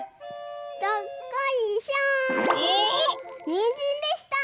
にんじんでした！